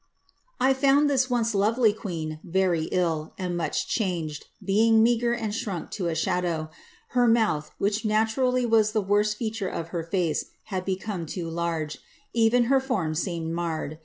^ I found this once lovely queen very ill, and much changed, being meagre and shrunk to a shadow. Her mouth, which naturally was the worst feature of her face, had become too large ; even her form seemed marred.